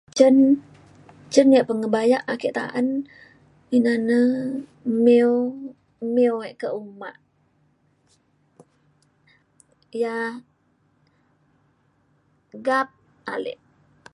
cen cen yak pengebayak ake ta’an ina na mew e ke uma. ia’ gap ale